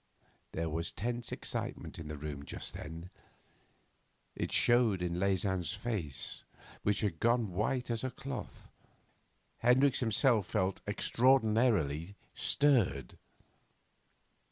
There was tense excitement in the room just then. It showed in Leysin's face, which had gone white as a cloth. Hendricks himself felt extraordinarily stirred.